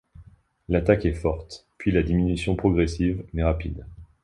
L'attaque est forte puis la diminution progressive mais rapide.